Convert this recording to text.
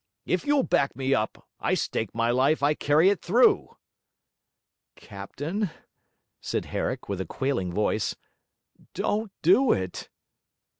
If you'll back me up, I stake my life I carry it through.' 'Captain,' said Herrick, with a quailing voice, 'don't do it!'